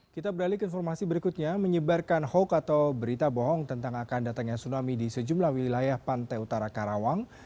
kita beralih ke informasi berikutnya menyebarkan hoax atau berita bohong tentang akan datangnya tsunami di sejumlah wilayah pantai utara karawang